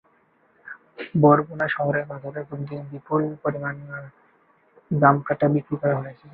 বরগুনা শহরের বাজারেও প্রতিদিন বিপুল পরিমাণ জাটকা বিক্রি হতে দেখা যাচ্ছে।